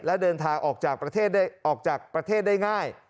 และเดินทางออกจากประเทศได้ง่าย